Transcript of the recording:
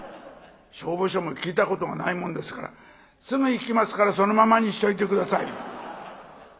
消防署も聞いたことがないもんですから「すぐ行きますからそのままにしといて下さい」。